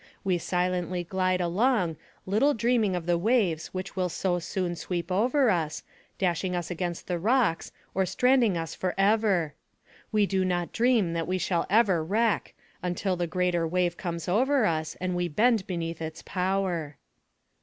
We silently glide along, little dreaming of the waves which will so soon sweep over us, dashing us against the rocks, or stranding us forever. We do not dream that we shall ever wreck, until the greater wave comes over us, and we bend beneath its power.